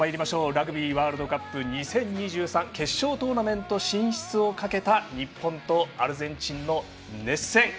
ラグビーワールドカップ２０２３決勝トーナメント進出をかけた日本とアルゼンチンの熱戦。